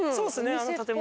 あの建物。